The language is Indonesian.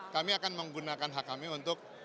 kami akan menggunakan hak kami untuk